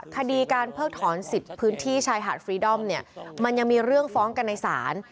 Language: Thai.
คดีการเพิกถอนสิทธิ์พื้นที่ชายหาดฟรีดอมเนี่ยมันยังมีเรื่องฟ้องกันในศาล